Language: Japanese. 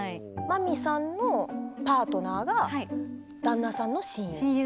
真美さんのパートナーが旦那さんの親友？